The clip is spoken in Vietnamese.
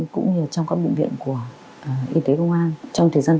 cũng như trong các bệnh viện của y tế công an